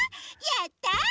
やった！